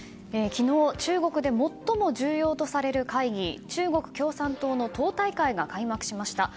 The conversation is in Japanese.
昨日、中国で最も重要とされる会議中国共産党の党大会が開幕しました。